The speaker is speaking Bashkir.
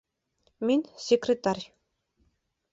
Мин секретарь